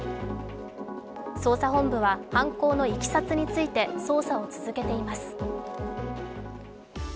捜査本部は犯行のいきさつについて捜査を続けています。